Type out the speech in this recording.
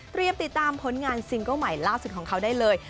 ติดตามผลงานซิงเกิ้ลใหม่ล่าสุดของเขาได้เลย